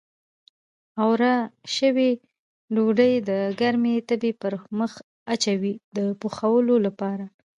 اواره شوې ډوډۍ د ګرمې تبۍ پر مخ اچوي د پخولو لپاره.